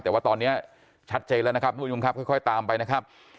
แต่ว่าตอนนี้ชัดเจนแล้วนะครับทุกผู้ชมครับค่อยตามไปนะครับ